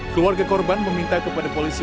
keluarga korban meminta kepada polisi